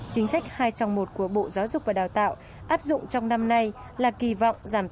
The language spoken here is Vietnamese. chính sách hai trong một của bộ giáo dục và đào tạo áp dụng trong năm nay là kỳ vọng giảm